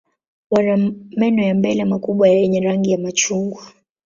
Wana meno ya mbele makubwa yenye rangi ya machungwa.